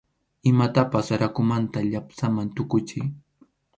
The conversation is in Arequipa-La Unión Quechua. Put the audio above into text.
Imatapas rakhumanta llapsaman tukuchiy.